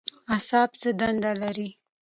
اعصاب څه دنده لري؟